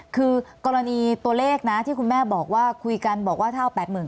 คือกรณีตัวเลขนะที่คุณแม่บอกว่าคุยกันบอกว่าเท่า๘๐๐๐